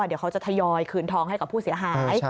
เดี๋ยวเขาจะทยอยคืนทองให้กับผู้เสียหาย